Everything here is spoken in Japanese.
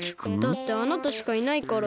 だってあなたしかいないから。